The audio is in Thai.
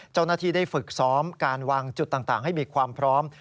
เจ้าหน้าที่ได้ฝึกซ้อมการวางจุดต่างให้มีความพร้อม